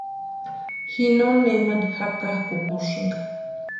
Ji no nemani jakakʼukusïnka.